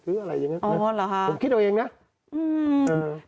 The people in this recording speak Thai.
หรืออะไรอย่างนี้ผมคิดเอาเองนะ